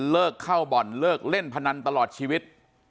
เลิกเข้าบ่อนเลิกเล่นพนันตลอดชีวิต